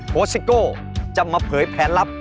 ซิโก้จะมาเผยแผนลับ